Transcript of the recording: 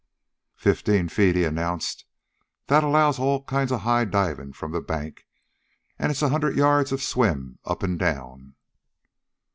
"Fifteen feet," he announced. "That allows all kinds of high divin' from the bank. An' it's a hundred yards of a swim up an' down."